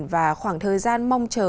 và khoảng thời gian mong chờ